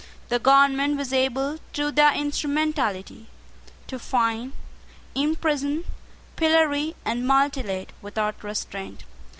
The government was able through their instrumentality, to fine, imprison, pillory, and mutilate without restraint.